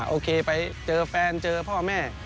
โอเคไปเจอแฟนเจอพ่อแม่